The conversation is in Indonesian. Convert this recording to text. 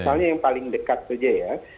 misalnya yang paling dekat saja ya